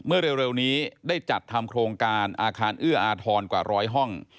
เร็วนี้ได้จัดทำโครงการอาคารเอื้ออาทรกว่าร้อยห้อง